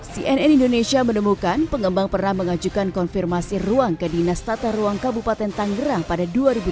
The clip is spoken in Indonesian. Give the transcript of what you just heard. cnn indonesia menemukan pengembang pernah mengajukan konfirmasi ruang ke dinas tata ruang kabupaten tanggerang pada dua ribu dua belas